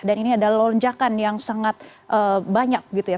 dan ini adalah lonjakan yang sangat banyak gitu ya